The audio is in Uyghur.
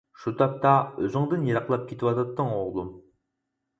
شۇ تاپتا ئۆزۈڭدىن يىراقلاپ كېتىۋاتاتتىڭ، ئوغلۇم.